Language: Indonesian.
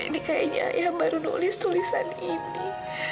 ini kayaknya yang baru nulis tulisan ini